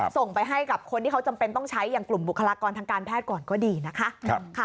ส่งไปให้กับคนที่เขาจำเป็นต้องใช้อย่างกลุ่มบุคลากรทางการแพทย์ก่อนก็ดีนะคะ